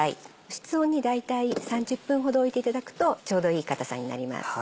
室温に大体３０分ほど置いていただくとちょうどいい硬さになります。